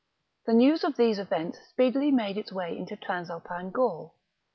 ^ The news of these events speedily made its way into Transalpine Gaul.